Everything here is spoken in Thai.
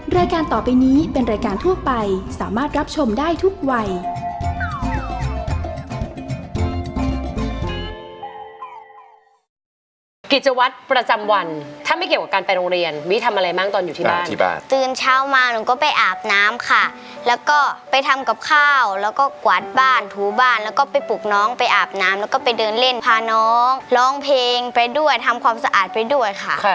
รายการต่อไปนี้เป็นรายการทั่วไปสามารถรับชมได้ทุกวัย